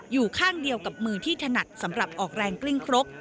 อยู่ข้างเดียวกับมือที่ถนัดสำหรับออกแรงกลิ้งครก